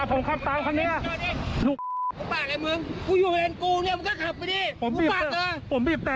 มันตอบคิวกันอยู่อ่ะ